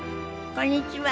こんにちは。